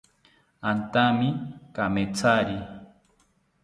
Antami kamethari